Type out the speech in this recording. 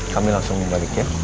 kami langsung balik ya